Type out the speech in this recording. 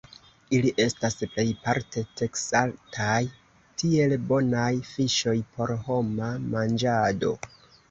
Ili estas plejparte taksataj kiel bonaj fiŝoj por homa manĝado.